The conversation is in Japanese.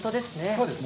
そうですね